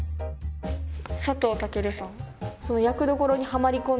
佐藤健さん。